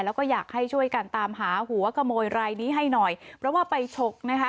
แล้วก็อยากให้ช่วยกันตามหาหัวขโมยรายนี้ให้หน่อยเพราะว่าไปฉกนะคะ